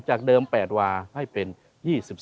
จากเดิม๘วาให้เป็น๒๔เมตร